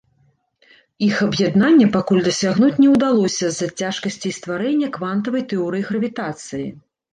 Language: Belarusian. Іх аб'яднання пакуль дасягнуць не ўдалося з-за цяжкасцей стварэння квантавай тэорыі гравітацыі.